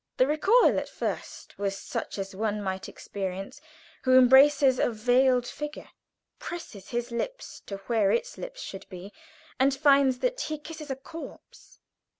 The recoil at first was such as one might experience who embraces a veiled figure, presses his lips to where its lips should be, and finds that he kisses a corpse.